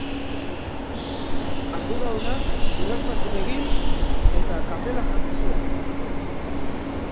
Arduradunak urrats batzuk egin, eta kapela jantzi zuen.